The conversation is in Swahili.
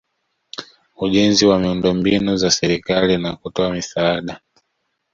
ujenzi wa miundombinu za serikali na kutoa misaada